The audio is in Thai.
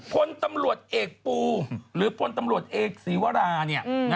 พลตำรวจเอกปูหรือพลตำรวจเอกศีวราเนี่ย